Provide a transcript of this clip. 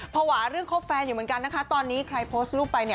ภาวะเรื่องคบแฟนอยู่เหมือนกันนะคะตอนนี้ใครโพสต์รูปไปเนี่ย